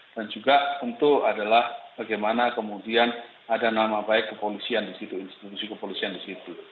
dan juga untuk bagaimana kemudian ada nama baik kepolisian di situ institusi kepolisian di situ